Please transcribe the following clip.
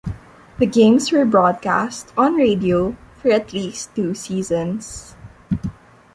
The games were broadcast on radio for at least two seasons.